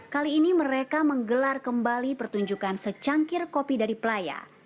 kali ini mereka menggelar kembali pertunjukan secangkir kopi dari playa